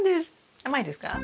甘いですか？